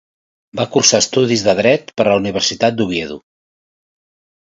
Va cursar estudis de Dret per la Universitat d'Oviedo.